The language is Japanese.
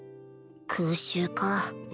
空襲か